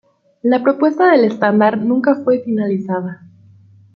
La propuesta del estándar nunca fue finalizada.